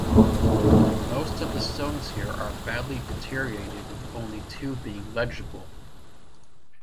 Most of the stones here are badly deteriorated with only two being legible.